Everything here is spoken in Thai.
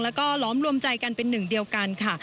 แล้วก็ล้อมรวมใจกันเป็นหนึ่งเดียวกันค่ะ